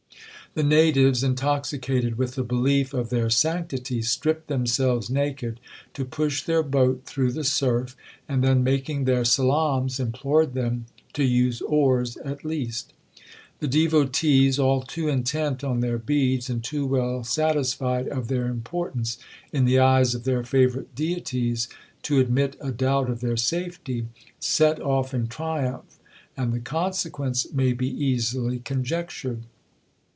The natives, intoxicated with the belief of their sanctity, stripped themselves naked, to push their boat through the surf, and then, making their salams, implored them to use oars at least. The devotees, all too intent on their beads, and too well satisfied of their importance in the eyes of their favourite deities, to admit a doubt of their safety, set off in triumph,—and the consequence may be easily conjectured.